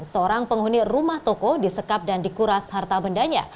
seorang penghuni rumah toko disekap dan dikuras harta bendanya